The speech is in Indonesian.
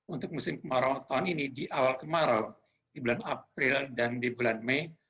untuk musim kemarau tahun ini di awal kemarau di bulan april dan di bulan mei